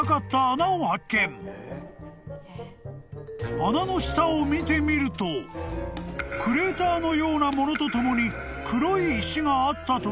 ［穴の下を見てみるとクレーターのようなものと共に黒い石があったという］